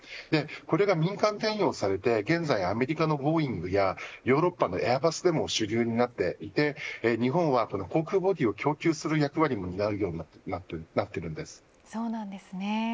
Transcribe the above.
これが民間転用されて現在アメリカのボーイングやヨーロッパのエアバスでも主流になっていて日本は航空ボディを供給するそうなんですね。